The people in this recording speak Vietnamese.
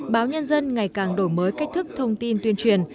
báo nhân dân ngày càng đổi mới cách thức thông tin tuyên truyền